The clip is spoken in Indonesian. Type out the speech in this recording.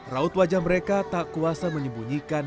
raut wajah mereka tak kuasa menyembunyikan